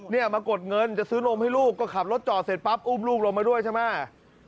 เนี่ยมากดเงินจะซื้อนมให้ลูกก็ขับรถจอดเสร็จปั๊บอุ้มลูกลงมาด้วยใช่ไหม